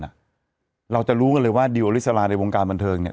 เราจะรู้กันเลยว่าดิวอลิสราในวงการบันเทิงเนี่ย